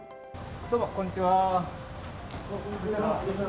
どうも、こんにちは。